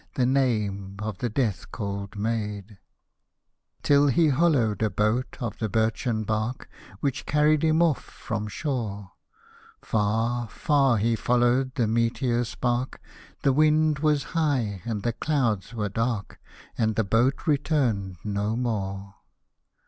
The name of the death cold maid. H Hosted by Google 98 POEMS RELATING TO AMERICA Till he hollowed a boat of the birchen bark, Which carried him off from shore ; Far, far he followed the meteor spark. The wind was high and the clouds were dark, And the boat returned no more.